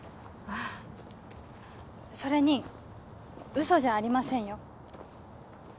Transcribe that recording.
それに嘘じゃありませんよ